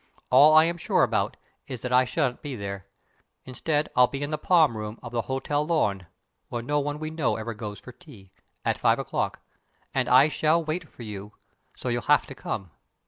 All I am sure about is that I shan't be there. Instead, I'll be in the Palm Room of the Hotel Lorne (where no one we know ever goes for tea) at five o'clock. And I shall wait for you, so you'll have to come.